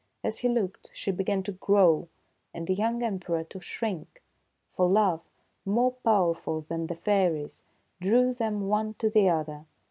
As he looked, she began to grow and the young Emperor to shrink ; for Love, more powerful than the fairies, drew them one to the other.